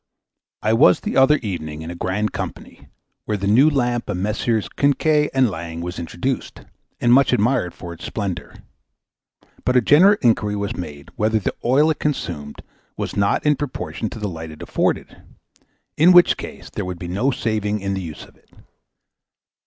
I was the other evening in a grand company, where the new lamp of Messrs. Quinquet and Lange was introduced, and much admired for its splendour; but a general inquiry was made, whether the oil it consumed was not in proportion to the light it afforded, in which case there would be no saving in the use of it.